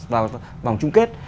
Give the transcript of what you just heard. vào vòng chung kết